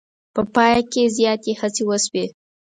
په پای کې زیاتې هڅې وشوې.